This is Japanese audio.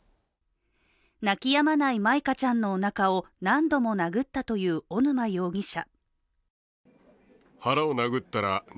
泣き止まない舞香ちゃんのおなかを何度も殴ったという小沼容疑者。